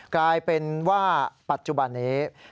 กลายเป็นว่าปัจจุบันนี้